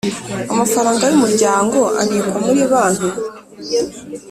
Amafaranga y’Umuryango abikwa muri Banki